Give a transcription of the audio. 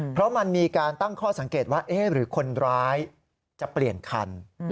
เพราะมันมีการตั้งข้อสังเกตว่าหรือคนร้ายจะเปลี่ยนคัน